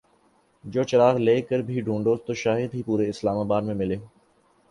جو چراغ لے کر بھی ڈھونڈو تو شاید ہی پورے اسلام آباد میں ملے ۔